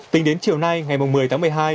tính đến chiều nay ngày một mươi tháng một mươi hai